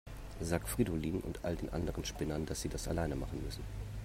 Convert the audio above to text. Sag Fridolin und all den anderen Spinnern, dass sie das alleine machen müssen.